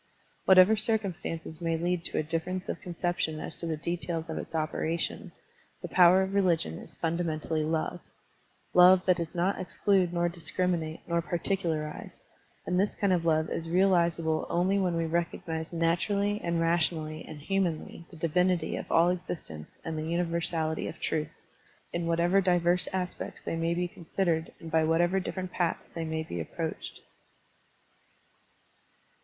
Whatever circumstances may lead to a difference of conception as to the details of its operation, the power of religion is fundamentally love, — ^love that does not exclude nor discrimi nate nor particularize; and this kind of love is realizable only when we recognize naturally and rationally and humanly the divinity of all exist ence and the universality of truth, in whatever divers aspects they may be considered and by whatever different paths they may be approached.